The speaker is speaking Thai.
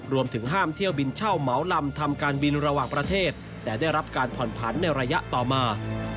รวมถึงห้ามเที่ยวบินเช่าเหมาลำทำการบินระหว่างประเทศแต่ได้รับการผ่อนผันในระยะต่อมา